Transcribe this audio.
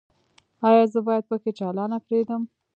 ایا زه باید پکۍ چالانه پریږدم؟